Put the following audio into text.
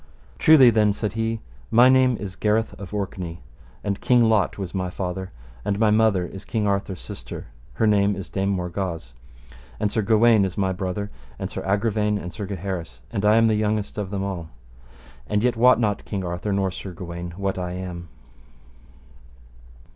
Truly then, said he, my name is Gareth of Orkney, and King Lot was my father, and my mother is King Arthur's sister, her name is Dame Morgawse, and Sir Gawaine is my brother, and Sir Agravaine and Sir Gaheris, and I am the youngest of them all. And yet wot not King Arthur nor Sir Gawaine what I am.